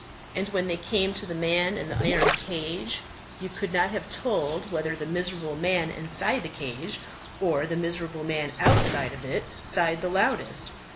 And when they came to the man in the iron cage, you could not have told whether the miserable man inside the cage or the miserable man outside of it sighed the loudest.